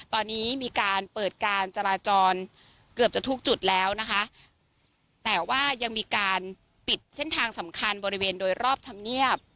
ตอนนี้มีการเปิดการจราจรเกือบจะทุกจุดแล้วนะคะแต่ว่ายังมีการปิดเส้นทางสำคัญบริเวณโดยรอบธรรมเนียบ